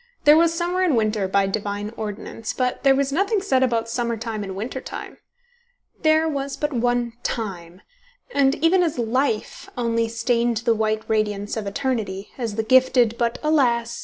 There was summer and winter, by Divine ordinance, but there was nothing said about summer time and winter time. There was but one Time, and even as Life only stained the white radiance of eternity, as the gifted but, alas!